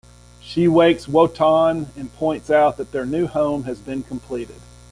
She wakes Wotan and points out that their new home has been completed.